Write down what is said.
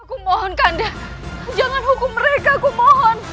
aku mohon kandek jangan hukum mereka aku mohon